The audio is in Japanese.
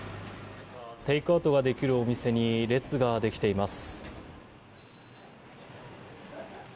テイクアウトができるお店に列ができています。